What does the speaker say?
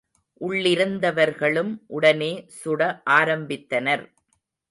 உள்ளிருந்தவர்களும் உடனே சுட ஆரம்பித்தனர்.